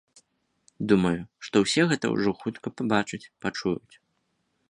Думаю, што ўсе гэта ўжо хутка пабачаць, пачуюць.